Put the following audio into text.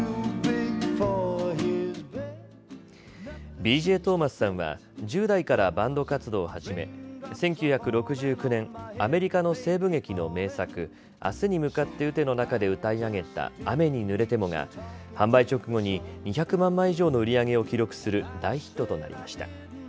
Ｂ・Ｊ・トーマスさんは１０代からバンド活動を始め１９６９年、アメリカの西部劇の名作、明日に向って撃て！の中で歌い上げた雨にぬれてもが販売直後に２００万枚以上の売り上げを記録する大ヒットとなりました。